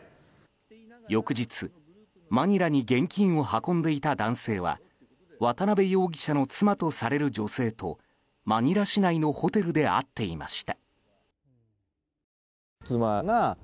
翌日、マニラに現金を運んでいた男性は渡邉容疑者の妻とされる女性とマニラ市内のホテルで会っていました。